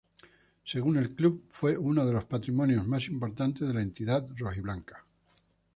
Según el club, fue uno de los patrimonios más importantes de la entidad rojiblanca.